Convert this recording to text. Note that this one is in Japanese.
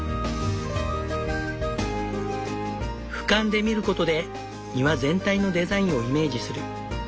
俯瞰で見ることで庭全体のデザインをイメージする。